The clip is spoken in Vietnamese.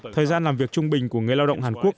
thời gian làm việc trung bình của người lao động hàn quốc